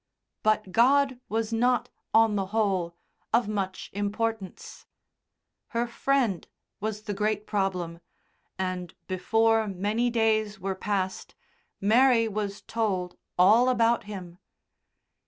But God was not, on the whole, of much importance; her Friend was the great problem, and before many days were passed Mary was told all about him.